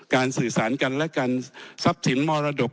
สื่อสารกันและกันทรัพย์สินมรดก